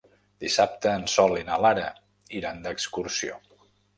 Dissabte en Sol i na Lara iran d'excursió.